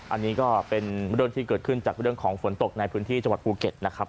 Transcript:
อันนี้ก็เป็นเรื่องที่เกิดขึ้นจากเรื่องของฝนตกในพื้นที่จังหวัดภูเก็ตนะครับ